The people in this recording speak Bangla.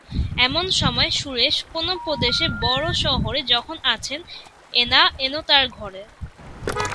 এমন সময় সুরেশ কোনো প্রদেশের বড়ো শহরে যখন আছেন এলা এল তাঁর ঘরে